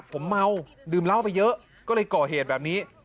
ผมเมาดื่มเหล้าไปเยอะก็เลยก่อเหตุแบบนี้